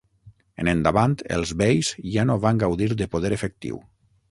En endavant els beis ja no van gaudir de poder efectiu.